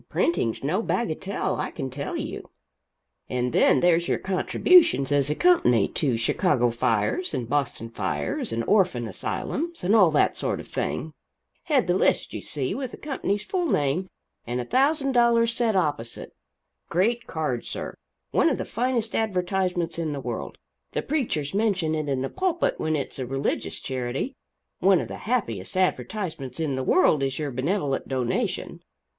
Printing's no bagatelle, I can tell you. And then there's your contributions, as a company, to Chicago fires and Boston fires, and orphan asylums and all that sort of thing head the list, you see, with the company's full name and a thousand dollars set opposite great card, sir one of the finest advertisements in the world the preachers mention it in the pulpit when it's a religious charity one of the happiest advertisements in the world is your benevolent donation.